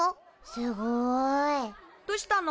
すごい。どしたの？